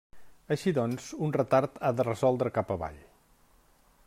Així doncs, un retard ha de resoldre cap avall.